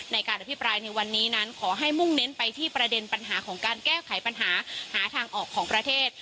ในการอภิปรายในวันนี้นั้นขอให้มุ่งเน้นไปที่ประเด็นปัญหาของการแก้ไขปัญหาหาทางออกของประเทศ